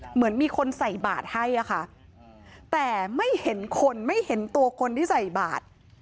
เหมือนมีคนใส่บาทให้อะค่ะแต่ไม่เห็นคนไม่เห็นตัวคนที่ใส่บาท